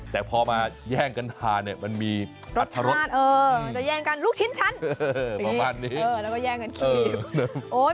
แต่พอมาแย่งกันทานเนี่ยมันมีรสชาติมันจะแย่งกันลูกชิ้นชั้นแล้วก็แย่งกันครีม